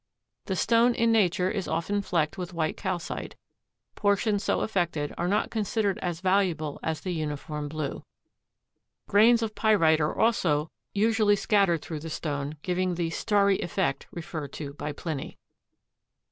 The stone in Nature is often flecked with white calcite. Portions so affected are not considered as valuable as the uniform blue. Grains of pyrite are also usually scattered through the stone giving the "starry" effect referred to by Pliny.